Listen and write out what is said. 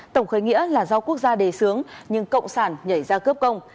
tổng khởi nghĩa là do quốc gia đề sướng nhưng cộng sản nhảy ra cướp công